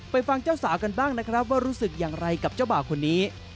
ฟังเจ้าสาวกันบ้างนะครับว่ารู้สึกอย่างไรกับเจ้าบ่าวคนนี้